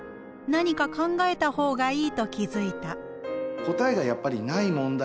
何か考えた方がいいと気付いた」。